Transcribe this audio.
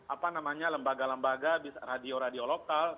apa namanya lembaga lembaga radio radio lokal